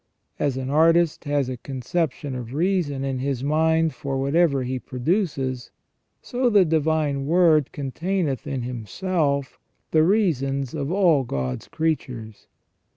As an artist has a conception of reason in his mind for whatever he produces, so the Divine Word containeth in Himself the reasons of all God's creatures.